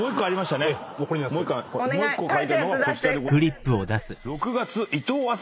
もう１個書いたのはこちらでございます。